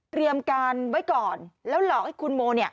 เตรียมกันไว้ก่อนและหลอกให้คุณโม